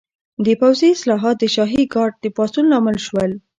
د پوځي اصلاحات د شاهي ګارډ د پاڅون لامل شول.